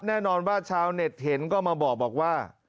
แน่นอนว่าชาวเน็ตเห็นก็มาบอกว่า